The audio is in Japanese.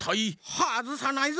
はずさないぞ！